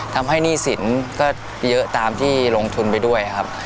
หนี้สินก็เยอะตามที่ลงทุนไปด้วยครับ